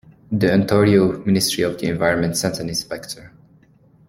The Ontario Ministry of the Environment sent an inspector.